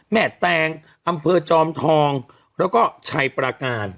แตงอำเภอจอมทองแล้วก็ชัยปราการ